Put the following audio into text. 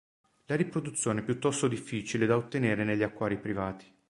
La riproduzione è piuttosto difficile da ottenere negli acquari privati.